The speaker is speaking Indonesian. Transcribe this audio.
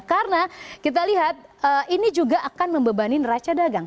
karena kita lihat ini juga akan membebani raca dagang